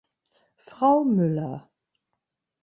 Frau Müller!